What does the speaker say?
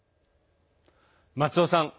松尾さん